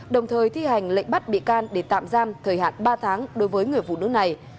đồng thời thi hành lệnh bắt bị can để tạm giam thời hạn ba tháng đối với người phụ nữ này